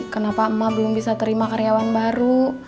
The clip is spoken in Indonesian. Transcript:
kenapa emak belum bisa terima karyawan baru